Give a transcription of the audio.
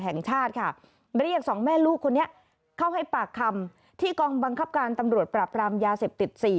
แห่งชาติค่ะเรียกสองแม่ลูกคนนี้เข้าให้ปากคำที่กองบังคับการตำรวจปราบรามยาเสพติด๔